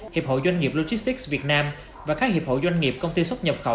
hiệp hội doanh nghiệp logistics việt nam và các hiệp hội doanh nghiệp công ty xuất nhập khẩu